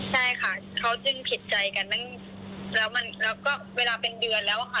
ใช่ค่ะเขาจึงผิดใจกันแล้วก็เวลาเป็นเดือนแล้วค่ะ